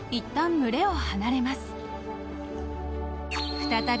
［再び］